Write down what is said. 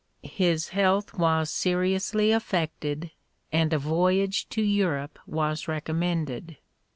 His health was seriously affected, and a voyage to Europe was recommended.